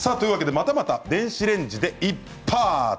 またまた電子レンジでイッパツ！